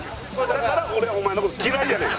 だから俺はお前の事嫌いやねん。